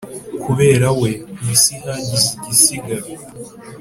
kubera we, ku isi hagize igisigara,